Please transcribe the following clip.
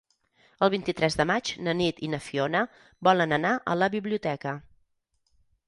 El vint-i-tres de maig na Nit i na Fiona volen anar a la biblioteca.